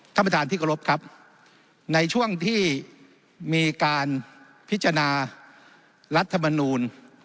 ท่านประชาธิกรพครับในช่วงที่มีการพิจารณารัฐธรรมนูญ